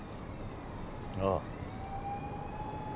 ああ。